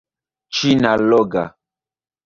Ĉin-alloga